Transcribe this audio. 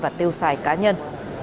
và tiêu chuẩn